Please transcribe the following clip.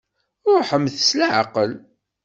Ṛuḥemt s leɛqel.